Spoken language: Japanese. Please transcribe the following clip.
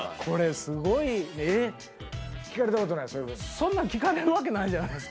そんなん聞かれるわけないじゃないですか。